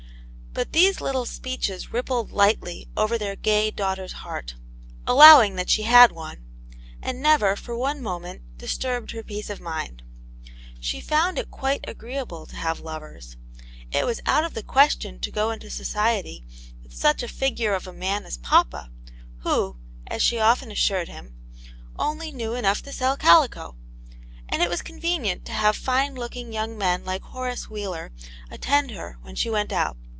But these little speeches rippled lightly over their gay daughter's heart, allowing that she had one, and never, for one moment, disturbed her peace of mind. She found it quite agreeable to have lovers; it was out of the question to go into society with such a figure of a man as papa, who, as she often assured him, only knew enough to sell calico, and it was convenient to have fine looking young men like Horace Wheeler attend her when she went out.